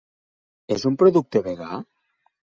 És un producte vegà?